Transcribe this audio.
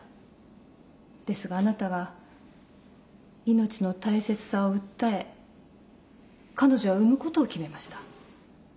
ですがあなたが命の大切さを訴え彼女は産むことを決めました。